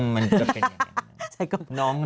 มันจะเป็นยังไง